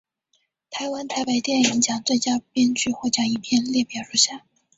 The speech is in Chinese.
台湾台北电影奖最佳编剧获奖影片列表如下。